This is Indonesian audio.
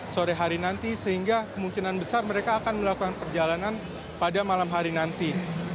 sehingga kemungkinan besar mereka akan melakukan perjalanan pada malam hari nanti